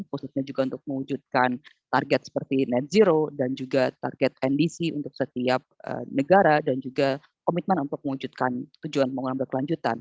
khususnya juga untuk mewujudkan target seperti net zero dan juga target ndc untuk setiap negara dan juga komitmen untuk mewujudkan tujuan pembangunan berkelanjutan